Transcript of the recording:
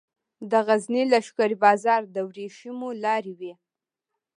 د غزني لښکر بازار د ورېښمو لارې و